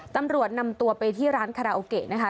ตำรวจนำตัวไปที่ร้านคาราโอเกะนะคะ